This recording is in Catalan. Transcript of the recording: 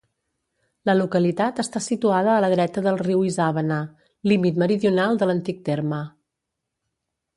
La localitat està situada a la dreta del riu Isàvena, límit meridional de l'antic terme.